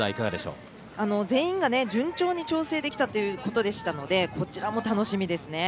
全員が順調に調整できたということですのでこちらも楽しみですね。